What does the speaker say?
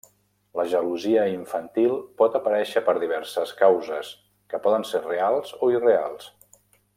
La gelosia infantil pot aparèixer per diverses causes, que poden ser reals o irreals.